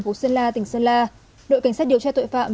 đội cảnh sát điều tra tội phạm